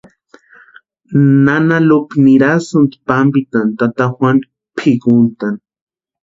Nana Lupa nirasïnti pampitani tata Juanu pʼikuntani.